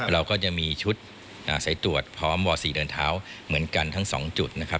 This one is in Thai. เราก็จะมีชุดสายตรวจพร้อมม๔เดินเท้าเหมือนกันทั้ง๒จุดนะครับ